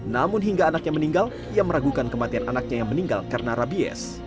namun hingga anaknya meninggal ia meragukan kematian anaknya yang meninggal karena rabies